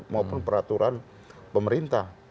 maupun peraturan pemerintah